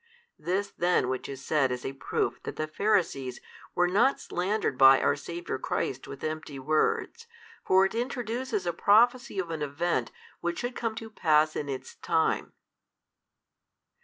This then which is said is a proof that the Pharisees were not slandered by our Saviour Christ with empty words, for it introduces a prophecy of an event which should come to pass in its time.